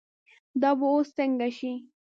دا به اوس څنګه شي.